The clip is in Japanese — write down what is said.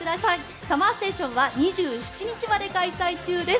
ＳＵＭＭＥＲＳＴＡＴＩＯＮは２７日まで開催中です。